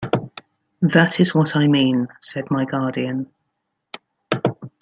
"That is what I mean," said my guardian.